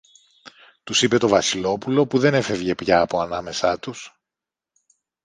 τους είπε το Βασιλόπουλο, που δεν έφευγε πια από ανάμεσα τους.